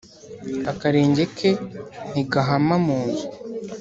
Akarenge ke ntigahama mu nzu